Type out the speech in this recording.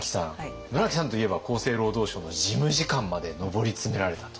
村木さんといえば厚生労働省の事務次官まで上り詰められたと。